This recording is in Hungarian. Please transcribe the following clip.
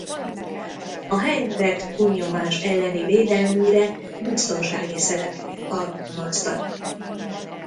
A hengerek túlnyomás elleni védelmére biztonsági szelepeket alkalmaztak.